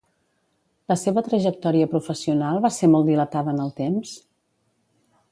La seva trajectòria professional va ser molt dilatada en el temps?